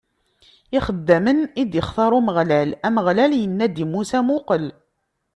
Ixeddamen i d-ixtaṛ Umeɣlal Ameɣlal inna-d i Musa: Muqel!